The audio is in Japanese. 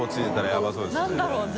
何だろう？